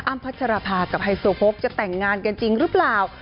พัชรภากับไฮโซโพกจะแต่งงานกันจริงหรือเปล่า